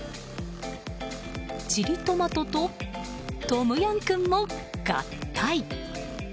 チリトマトとトムヤムクンも合体。